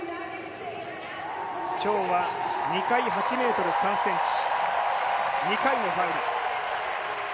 今日は２回、８ｍ３ｃｍ、２回のファウル。